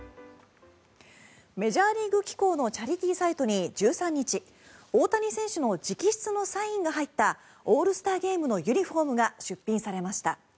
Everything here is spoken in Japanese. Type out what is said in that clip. メジャーリーグ機構のチャリティーサイトに１３日大谷選手の直筆のサインが入ったオールスターゲームのユニホームが出品されました。